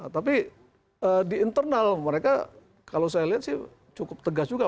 tapi di internal mereka kalau saya lihat sih cukup tegas juga